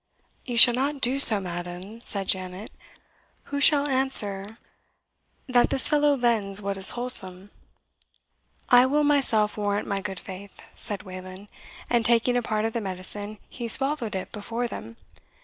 "You shall not do so, madam," said Janet; "who shall answer that this fellow vends what is wholesome?" "I will myself warrant my good faith," said Wayland; and taking a part of the medicine, he swallowed it before them.